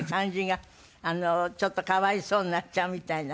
ちょっとかわいそうになっちゃうみたいな。